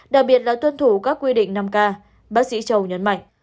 đặc biệt là tuân thủ các quy định năm k bác sĩ châu nhấn mạnh